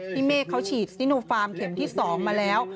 เมฆเขาฉีดซิโนฟาร์มเข็มที่๒มาแล้ว